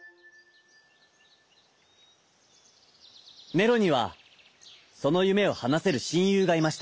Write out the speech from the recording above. ネロにはそのゆめをはなせるしんゆうがいました。